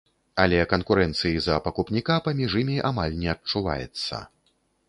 Але канкурэнцыі за пакупніка паміж імі амаль не адчуваецца.